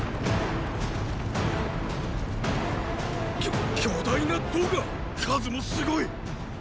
きょっ巨大な弩が⁉数もすごい！